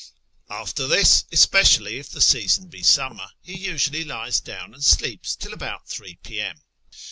After this, especially if the season be siinimer, he usually lies down and sleeps till about 3 p.m.